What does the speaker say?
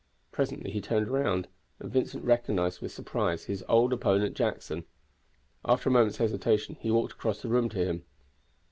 Presently he turned round, and Vincent recognized with surprise his old opponent Jackson. After a moment's hesitation he walked across the room to him.